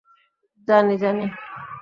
জানি জানি।